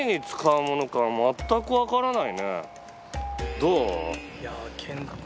どう？